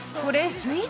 スイーツ？